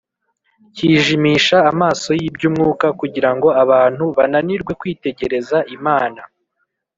kijimisha amaso y’iby’umwuka kugira ngo abantu bananirwe kwitegereza imana